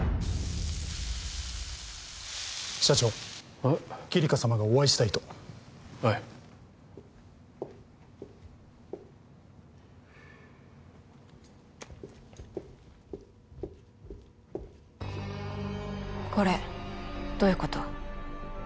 社長キリカ様がお会いしたいとはいこれどういうこと？